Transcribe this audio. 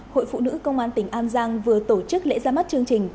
hội phụ nữ công an tỉnh an giang vừa tổ chức lễ ra mắt chương trình